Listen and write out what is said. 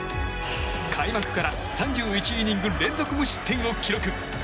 開幕から３１イニング連続無失点を記録。